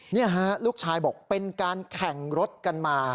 นี่ฮะลูกชายบอกเป็นการแข่งรถกันมา